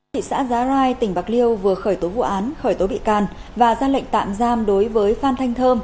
thị xã giá rai tỉnh bạc liêu vừa khởi tố vụ án khởi tố bị can và ra lệnh tạm giam đối với phan thanh thơm